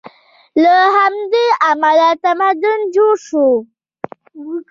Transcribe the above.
له همدې امله تمدن جوړ شو.